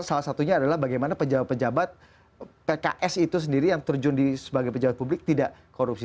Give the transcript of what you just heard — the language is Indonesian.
salah satunya adalah bagaimana pejabat pejabat pks itu sendiri yang terjun sebagai pejabat publik tidak korupsi